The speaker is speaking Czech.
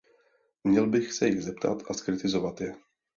Měl by se jich zeptat a zkritizovat je.